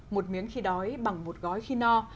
một miếng khi đói bằng một gói khi no